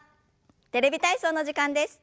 「テレビ体操」の時間です。